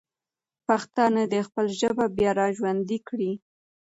پښتانه دې خپله ژبه بیا راژوندی کړي.